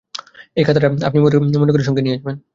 এই খাতাটা আপনি মনে করে সঙ্গে করে নিয়ে যাবেন।